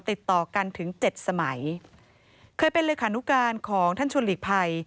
ติดต่อกันถึงเจ็ดสมัยเคยเป็นเลขานุการของท่านชวนหลีกภัย